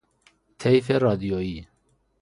طیف رادیویی